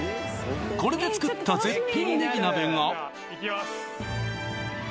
これで作った絶品ねぎ鍋がいきます